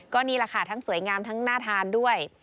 ก็นี่แหละค่ะทั้งสวยงามทั้งน่าทานด้วย